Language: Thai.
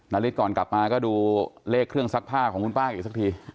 นาริสก่อนกลับมาก็ดูเลขเครื่องซักผ้าของคุณป้าอีกสักที